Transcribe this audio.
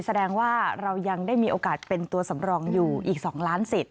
แสดงว่าเรายังได้มีโอกาสเป็นตัวสำรองอยู่อีก๒ล้านสิทธิ